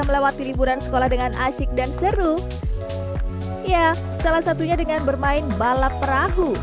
melewati liburan sekolah dengan asyik dan seru ya salah satunya dengan bermain balap perahu